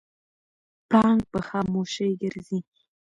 پړانګ په خاموشۍ ګرځي.